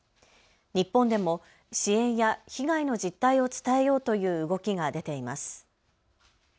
日本でも支援や被害の実態を伝えようという動きが出ています。